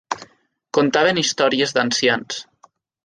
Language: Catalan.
Contaven històries d'ancians.